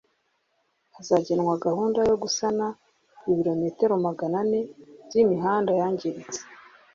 hazagenwa gahunda yo gusana ibirometero magana ane by'imihanda yangiritse